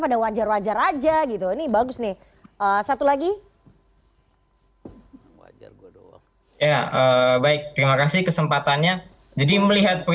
pada wajar wajar aja gitu ini bagus nih satu lagi wajar gue dulu ya baik terima kasih kesempatannya jadi melihat